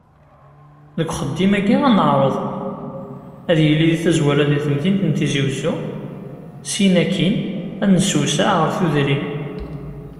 Deg uxeddim-agi, ad neɛreḍ, ad yili di tazwara di temdint n Tizi Uzzu, syin akin ad nessewseɛ ɣer tudrin.